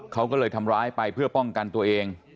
เขาก็เลยทำร้ายไปเพื่อป้องกันตัวเอง